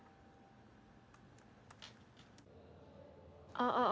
ああ。